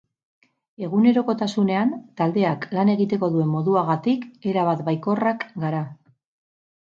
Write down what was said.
Egunerokotasunean taldeak lan egiteko duen moduagatik erabat baikorrak gara.